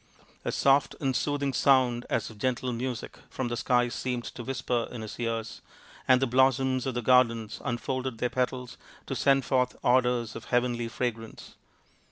A soft and soothing sound as of gentle music from the skies seemed to whisper in his ears, and the blossoms of the garden unfolded their petals to send forth odours of heavenly fragrance.